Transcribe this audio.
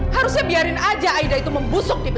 harusnya biarin aja aida itu membusukkan aida